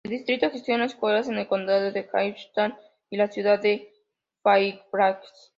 El distrito gestiona escuelas en el condado de Fairfax y la Ciudad de Fairfax.